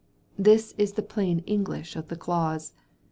This is the plain English of the clause.